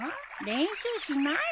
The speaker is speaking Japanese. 練習しないの？